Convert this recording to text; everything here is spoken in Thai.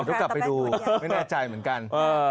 เดี๋ยวกลับไปดูไม่แน่ใจเหมือนกัน